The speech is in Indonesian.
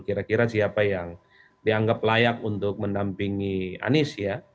kira kira siapa yang dianggap layak untuk mendampingi anies ya